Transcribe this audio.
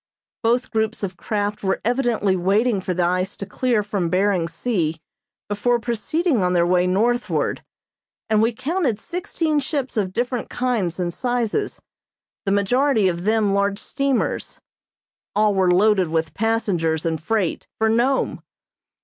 Both groups of craft were evidently waiting for the ice to clear from Behring Sea before proceeding on their way northward, and we counted sixteen ships of different kinds and sizes, the majority of them large steamers. All were loaded with passengers and freight for Nome.